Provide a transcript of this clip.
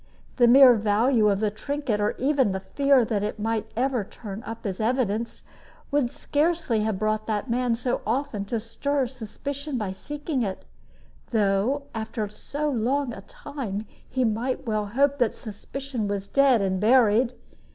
The mere value of the trinket, or even the fear that it ever might turn up as evidence, would scarcely have brought that man so often to stir suspicion by seeking it; though, after so long a time, he well might hope that suspicion was dead and buried.